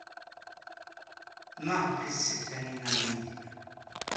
Maɣef ay tsell Taninna i Yidir?